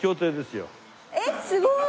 えっすごーい！